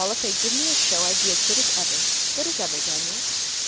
If they'd give me a show, I'd be as good as ever; good as ever, Daniel.